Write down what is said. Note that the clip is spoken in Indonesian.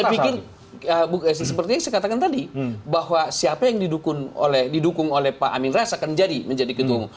saya pikir seperti yang saya katakan tadi bahwa siapa yang didukung oleh pak amin rais akan jadi menjadi ketua umum